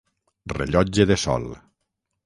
Rellotge de sol.